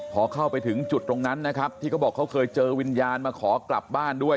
พอเข้าไปถึงจุดตรงนั้นนะครับที่เขาบอกเขาเคยเจอวิญญาณมาขอกลับบ้านด้วย